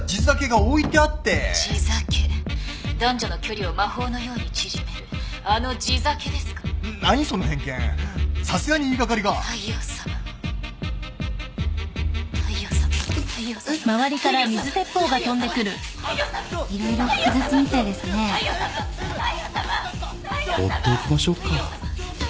放っておきましょうか。